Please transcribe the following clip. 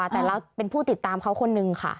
แต่เราเป็นผู้ติดตามเขาคนนึงค่ะ